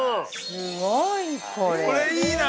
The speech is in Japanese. ◆すごい、これ。